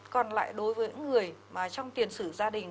còn lại đối với những người mà trong tiền sử gia đình